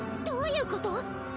どういうこと！？